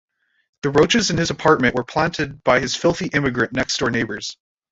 The roaches in his apartment were planted by his filthy immigrant next-door neighbors.